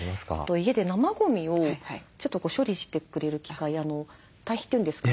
家で生ゴミをちょっと処理してくれる機械堆肥というんですかね